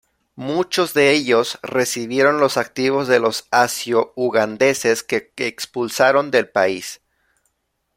Muchos de ellos recibieron los activos de los asio-ugandeses que expulsaron del país.